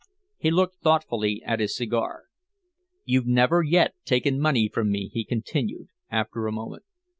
He looked thoughtfully at his cigar. "You've never yet taken money from me," he continued, after a moment.